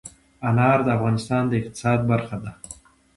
انار د افغانستان د اقتصاد برخه ده.